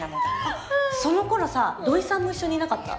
その頃さ土井さんも一緒にいなかった？